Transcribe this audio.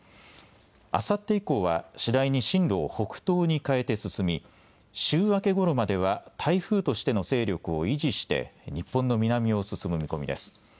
あさって以降は次第に進路を北東に変えて進み週明けごろまでは台風としての勢力を維持して日本の南を進む見込みです。